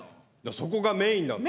そこがメインなんだから。